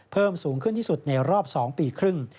เพิ่มสูงขึ้นที่สุดในรอบ๒ปีครึ่ง